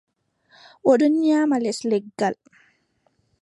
O ɗon nyaama les leggal.